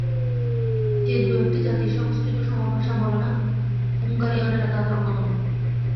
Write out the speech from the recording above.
যে দু-একটি জাতি সংস্কৃত-সম ভাষা বলে না, হুঙ্গারীয়ানেরা তাদের অন্যতম।